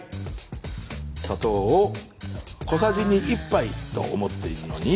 砂糖を小さじに１杯と思っているのに。